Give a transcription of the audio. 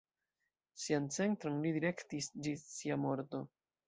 Sian centron li direktis ĝis sia morto.